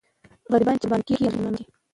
غریبان چې قرباني کېږي، مظلومان دي.